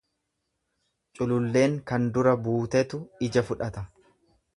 Cululleen kan dura buutetu ija fudhata.